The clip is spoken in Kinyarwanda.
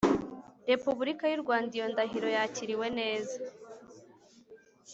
Repubulika y u Rwanda Iyo ndahiro yakiriwe neza